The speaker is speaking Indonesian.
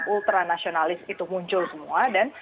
ultra nasionalis itu muncul semua dan